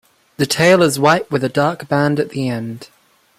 The tail is white with a dark band at the end.